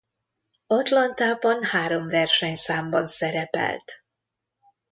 Atlantában három versenyszámban szerepelt.